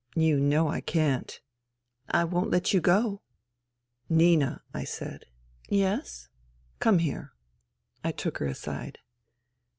" You know I can't." " I won't let you go." "Nina," I said. '* Yes ?"" Come here." I took her aside.